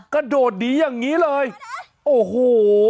กระโดดหนีอย่างนี้เลยโอ้โห